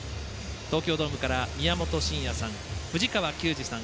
東京ドームから宮本慎也さん藤川球児さん